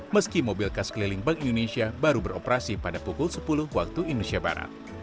meski mobil khas keliling bank indonesia baru beroperasi pada pukul sepuluh waktu indonesia barat